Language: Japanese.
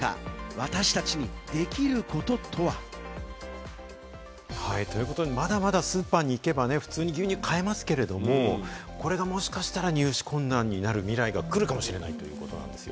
私達にできることとは？ということで、まだまだスーパーに行けば、牛乳普通に買えますけれども、これがもしかしたら入手困難になる未来が来るかもしれないということなんですよ。